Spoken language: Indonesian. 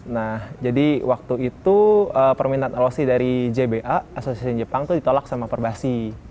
nah jadi waktu itu permintaan loc dari jba asosiasi jepang itu ditolak sama perbasi